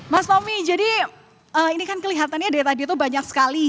mas tommy jadi ini kan kelihatannya dari tadi tuh banyak sekali